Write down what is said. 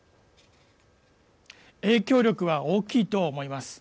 影響力は大きいと思います。